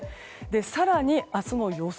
更に、明日の予想